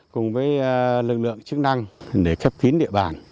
cùng với lực lượng chức năng để khép kín địa bàn